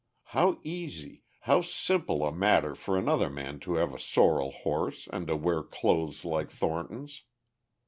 How easy, how simple a matter for another man to have a sorrel horse and to wear clothes like Thornton's!